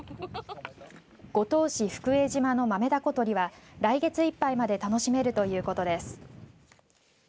五島市福江島のマメダコ捕りは来月いっぱいまで楽しめるということです。